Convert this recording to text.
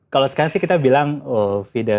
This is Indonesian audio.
kalau sekarang sih kita bilang feeder